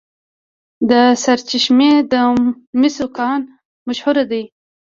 د سرچشمې د مسو کان مشهور دی.